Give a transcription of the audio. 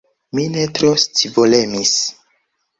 Mi ne tro scivolemis.